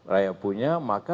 rakyat punya maka